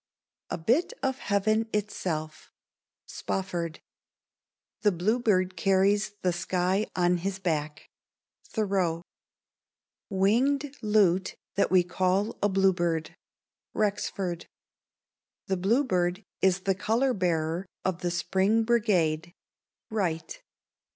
C. C. M. A bit of heaven itself. Spofford. The bluebird carries the sky on his back. Thoreau. Winged lute that we call a bluebird. Rexford. The bluebird is the color bearer of the spring brigade. _Wright.